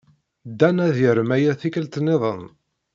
Dan ad yarem aya tikkelt niḍen.